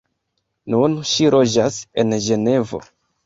Nun ŝi loĝas en Ĝenevo.